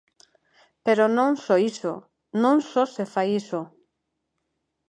Pero non só iso, non só se fai iso.